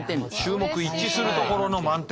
衆目一致するところの満点！